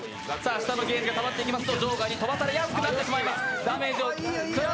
下のゲージがたまっていきますと、場外に飛ばされやすくなります。